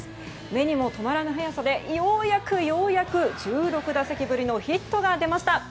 目にも留まらぬ速さでようやく１６打席ぶりのヒットが出ました。